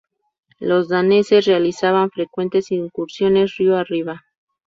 Los daneses realizaban frecuentes incursiones río arriba.